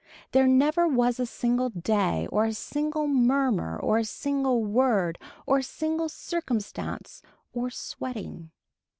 There never was a single day or a single murmur or a single word or a single circumstance or sweating.